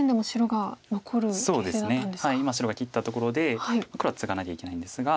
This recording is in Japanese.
今白が切ったところで黒はツガなきゃいけないんですが。